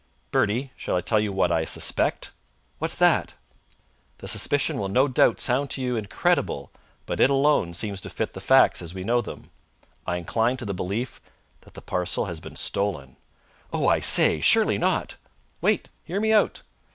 "Bertie, shall I tell you what I suspect?" "What's that?" "The suspicion will no doubt sound to you incredible, but it alone seems to fit the facts as we know them. I incline to the belief that the parcel has been stolen." "Oh, I say! Surely not!" "Wait! Hear me out.